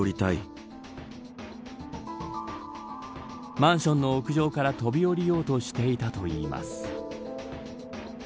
マンションの屋上から飛び降りようとしていたといいます。